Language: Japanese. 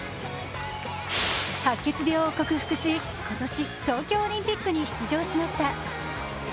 白血病を克服し、今年、東京オリンピックに出場しました。